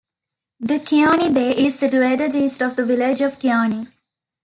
The Kioni Bay is situated east of the village of Kioni.